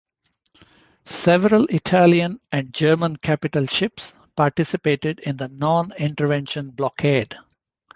Several Italian and German capital ships participated in the non-intervention blockade.